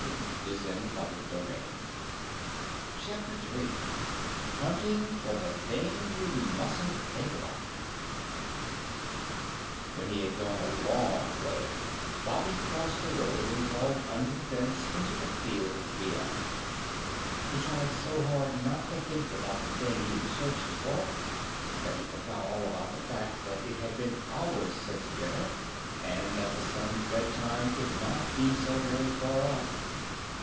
CHAPTER III HUNTING FOR THE THING YOU MUSN'T THINK ABOUT When he had gone a long way, Bobby crossed the road and crawled under the fence into the field beyond. He tried so hard not to think about the thing he was searching for that he forgot all about the fact that it had been hours since dinner and that the sun's bedtime could not be so very far off.